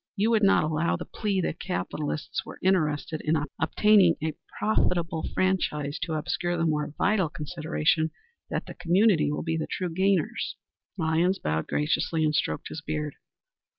You would not allow the plea that capitalists were interested in obtaining a profitable franchise to obscure the more vital consideration that the community will be the true gainers." Lyons bowed graciously, and stroked his beard.